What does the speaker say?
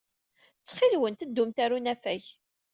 Ttxil-went, ddumt ɣer unafag.